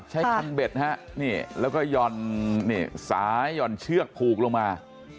คันเบ็ดฮะนี่แล้วก็หย่อนสายหย่อนเชือกผูกลงมา